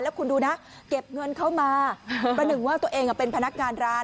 แล้วคุณดูนะเก็บเงินเข้ามาประหนึ่งว่าตัวเองเป็นพนักงานร้าน